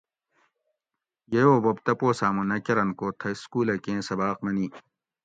ییو بوب تپوس آۤمو نہ کۤرنت کو تۤھہ سکولہ کیں سباۤق منی